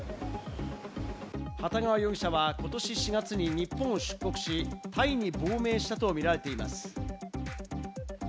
幟川容疑者はことし４月に日本を出国し、タイに亡命したとみられています。